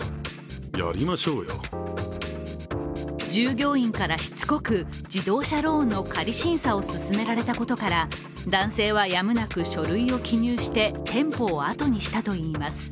従業員からしつこく自動車ローンの仮審査を勧められたことから男性はやむなく書類を記入して店舗をあとにしたといいます。